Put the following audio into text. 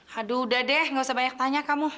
haduh udah deh gak usah banyak tanya kamu